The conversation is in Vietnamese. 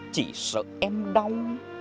chỉ sợ em đau